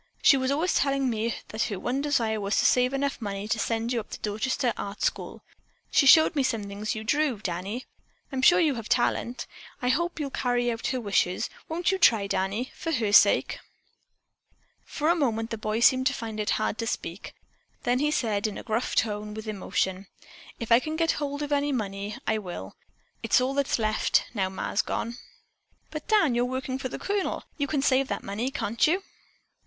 She was always telling me that her one desire was to save enough money to send you up to the Dorchester Art School. She showed me things you drew, Danny. I'm sure you have talent. I hope you'll carry out her wishes. Won't you try, Danny, for her sake?" The boy for a moment seemed to find it hard to speak, then he said in a tone gruff with emotion: "If I can get hold of any money, I will. It's all that's left, now Ma's gone." "But, Dan, if you're working for the Colonel, you can save that money, can't you?"